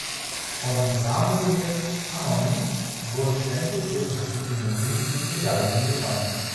Von Samuel Ammon wurden Stempel für verschiedene Münzen und Medaillen geschaffen.